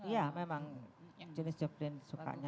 ya memang janice joplin sukanya juga